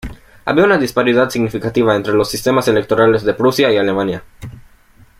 Había una disparidad significativa entre los sistemas electorales de Prusia y de Alemania.